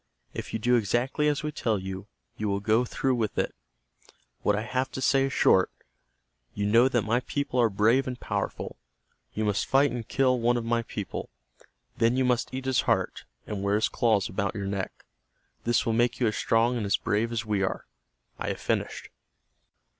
If you do exactly as we tell you, you will go through with it. What I have to say is short. You know that my people are brave and powerful. You must fight and kill one of my people. Then you must eat his heart, and wear his claws about your neck. This will make you as strong and as brave as we are. I have finished."